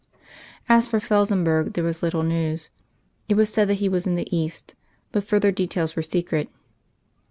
As for Felsenburgh, there was little news. It was said that he was in the East; but further details were secret.